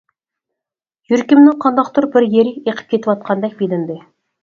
يۈرىكىمنىڭ قانداقتۇر بىر يېرى ئېقىپ كېتىۋاتقاندەك بىلىندى.